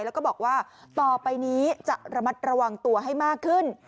แล้วก็บอกว่าต่อไปนี้จะระมัดระวังตัวให้มากขึ้น